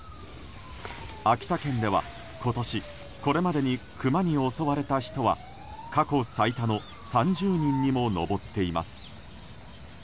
秋田県では今年、これまでにクマに襲われた人は過去最多の３０人にも上っています。